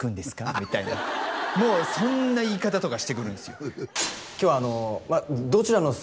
みたいなもうそんな言い方とかしてくるんすよお願いします